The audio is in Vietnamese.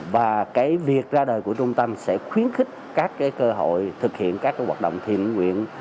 và việc ra đời của trung tâm sẽ khuyến khích các cơ hội thực hiện các hoạt động thiện nguyện